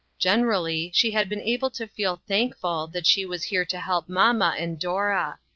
Generally, she had been able to feel thankful that she was here to help mamma and Dora.